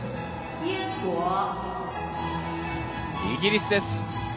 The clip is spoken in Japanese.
イギリスです。